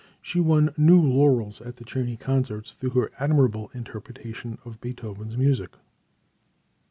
She won new laurels at the Czerny concerts through her admirable interpretation of Beethoven's music.